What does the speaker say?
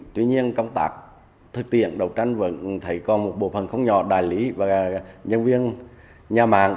tuy nhiên công tác thực tiện đấu tranh vẫn thấy có một bộ phần không nhỏ đại lý và nhân viên nhà mạng